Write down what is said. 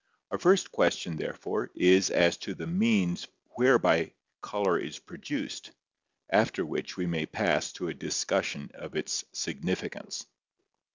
Our first question therefore is as to the means whereby color is produced, after which we may pass to a discussion of its significance.